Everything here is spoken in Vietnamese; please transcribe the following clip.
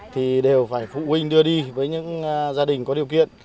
phụ huynh đưa đi với những gia đình có điều kiện